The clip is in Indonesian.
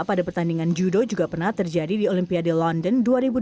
pada pertandingan judo juga pernah terjadi di olimpiade london dua ribu delapan belas